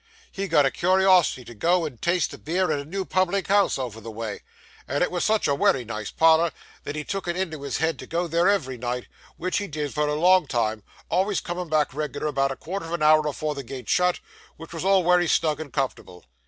'He got a curiosity to go and taste the beer at a new public house over the way, and it wos such a wery nice parlour, that he took it into his head to go there every night, which he did for a long time, always comin' back reg'lar about a quarter of an hour afore the gate shut, which was all wery snug and comfortable.